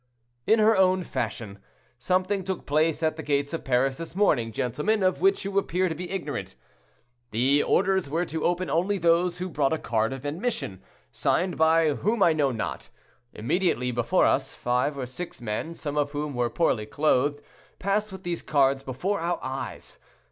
"In her own fashion. Something took place at the gates of Paris this morning, gentlemen, of which you appear to be ignorant. The orders were to open only to those who brought a card of admission—signed by whom I know not. Immediately before us five or six men, some of whom were poorly clothed, passed with these cards, before our eyes.